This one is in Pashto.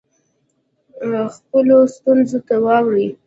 خپلو ستونزو ته واړوي.